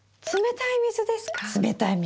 冷たい水です。